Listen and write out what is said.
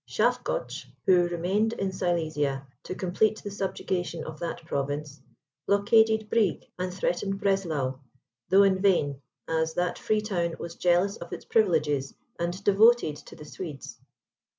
Schafgotsch, who remained in Silesia to complete the subjugation of that province, blockaded Brieg, and threatened Breslau, though in vain, as that free town was jealous of its privileges, and devoted to the Swedes.